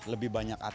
lebih banyak atraksi